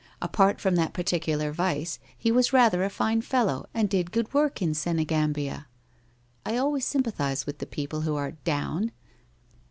Apart from that particular vice, he was rather a fine fellow and did good work in Sene gambia. I always sympathize with the people who are " down."